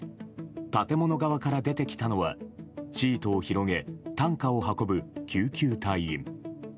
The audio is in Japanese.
建物側から出てきたのはシートを広げ担架を運ぶ救急隊員。